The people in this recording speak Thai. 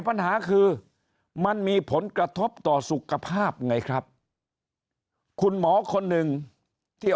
ปัญหาคือมันมีผลกระทบต่อสุขภาพไงครับคุณหมอคนหนึ่งที่